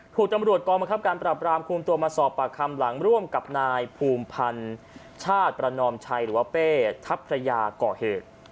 ถูกตำรวจกองบังคับการปรับรามคุมตัวมาสอบปากคำหลังร่วมกับนายภูมิพันธ์ชาติประนอมชัยหรือว่าเป้ทัพพระยาก่อเหตุ